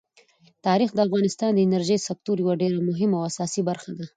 تاریخ د افغانستان د انرژۍ د سکتور یوه ډېره مهمه او اساسي برخه ده.